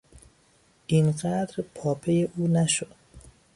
این قدر پاپی او نشو!